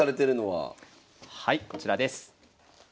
はいこちらです。